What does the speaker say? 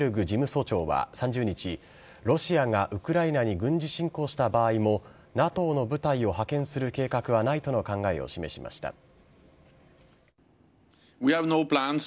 事務総長は３０日、ロシアがウクライナに軍事侵攻した場合もＮＡＴＯの部隊を派遣する計画はないとの考えを示しました。